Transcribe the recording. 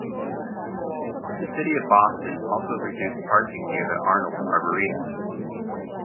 The City of Boston also reduced parking near the Arnold Arboretum.